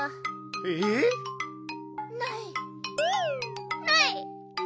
えっ？ない。